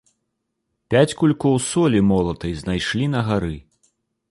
Пяць кулькоў солі молатай знайшлі на гары.